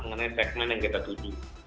mengenai segmen yang kita tuju